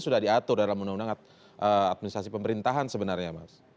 sudah diatur dalam undang undang administrasi pemerintahan sebenarnya mas